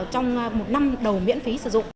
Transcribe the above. trong một năm đầu miễn phí sử dụng